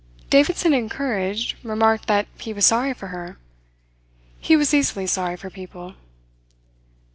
Davidson, encouraged, remarked that he was sorry for her. He was easily sorry for people.